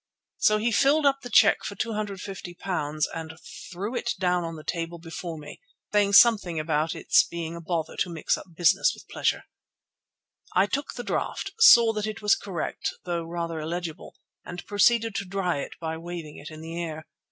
So he filled up the cheque for £250 and threw it down on the table before me, saying something about its being a bother to mix up business with pleasure. I took the draft, saw that it was correct though rather illegible, and proceeded to dry it by waving it in the air.